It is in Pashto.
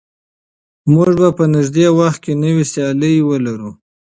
موږ به په نږدې وخت کې نوې سیالۍ ولرو.